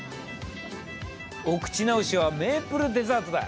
お口直しはメープルデザートだ。